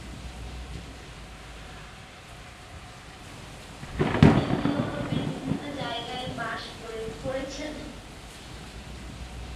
তিনি ইউরোপের বিভিন্ন জায়গায় বাস করেছেন।